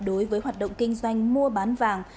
đối với hoạt động kinh doanh mua bán vàng